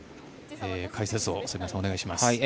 解説をお願いします。